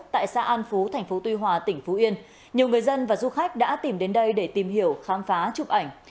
tại xã an phú thành phố tuy hòa tỉnh phú yên nhiều người dân và du khách đã tìm đến đây để tìm hiểu khám phá chụp ảnh